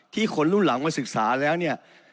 คนรุ่นหลังมาศึกษาแล้วเนี่ย